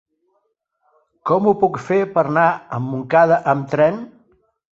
Com ho puc fer per anar a Montcada amb tren?